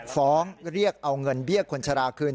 ฟ้องเรียกเอาเงินเบี้ยคนชราคืน